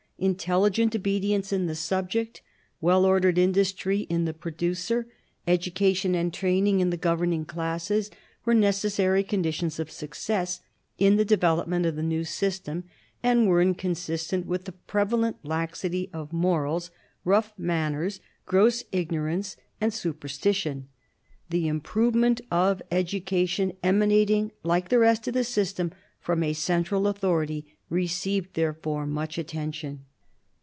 Intelligent obedience in the subject, well ordered industry in the producer, education and training in the governing classes were necessary conditions of success in the development of the new system, and were inconsistent with the prevalent laxity of morals, rough manners, gross ignor ance, and superstition. The improvement of education, emanating, like the rest of the system, from a central authority, received therefore much attention.